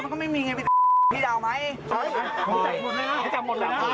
มันก็ไม่มีไงพี่ทุนพี่ดาวไหม